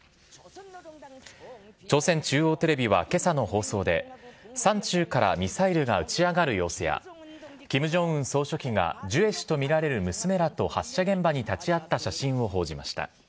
朝鮮中央テレビはけさの放送で、山中からミサイルが打ち上がる様子や、キム・ジョンウン総書記がジュエ氏と見られる娘らと発射現場に立ち会った写真を報じました。